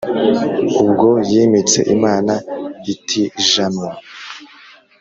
Ubwo yimitse imana itijanwa